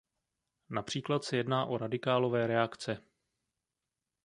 Například se jedná o radikálové reakce.